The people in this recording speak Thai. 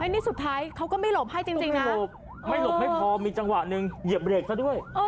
นี่สุดท้ายเขาก็ไม่หลบให้จริงนะหลบไม่หลบไม่พอมีจังหวะหนึ่งเหยียบเบรกซะด้วย